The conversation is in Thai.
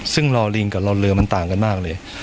ซึ่งรอลิงกับรอเรือมันต่างกันมากเลย